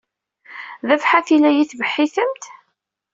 D abḥat ay la iyi-tbeḥḥtemt?